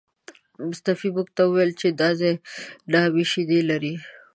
مصطفی موږ ته وویل چې دا ځای نامي شیدې لري.